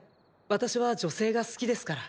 私は女性が好きですから。